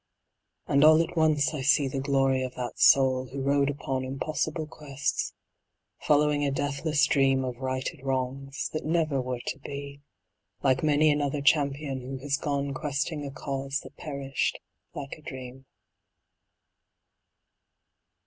And all at once I see The glory of that soul who rode upon Impossible quests, following a deathless dream Of righted wrongs, that never were to be, Like many another champion who has gone Questing a cause that perished like a dream.